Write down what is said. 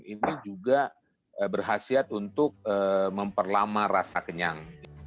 ini juga berhasil untuk memperlama rasa kenyang